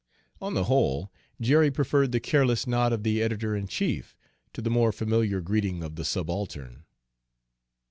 On the whole, Jerry preferred the careless nod of the editor in chief to the more familiar greeting of the subaltern.